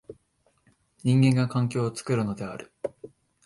人間が環境を作るのである。